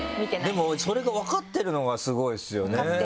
でもそれが分かってるのがスゴいですよね